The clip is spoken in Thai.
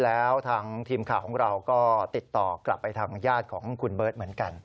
แล้วทางทีมข่าวของเราก็ติดต่อกลับไปทางญาติของคุณเบิร์ตเหมือนกัน